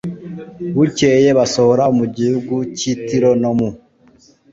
Bukeye basohora mu gihugu cy i Tiro no mu